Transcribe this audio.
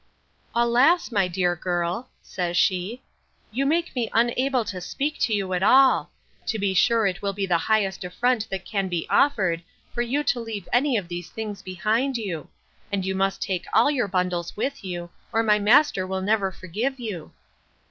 Alas! my dear girl, says she, you make me unable to speak to you at all: To be sure it will be the highest affront that can be offered, for you to leave any of these things behind you; and you must take all your bundles with you, or my master will never forgive you.